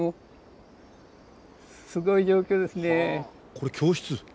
これ教室？